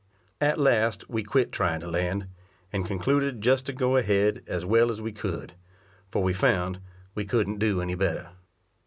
At last we quit trying to land, and concluded just to go ahead as well as we could, for we found we couldn't do any better.